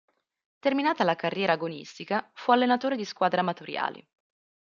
Terminata la carriera agonistica, fu allenatore di squadre amatoriali.